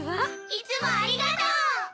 いつもありがとう！